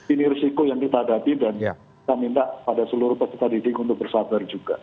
ini risiko yang kita hadapi dan kita minta pada seluruh peserta didik untuk bersabar juga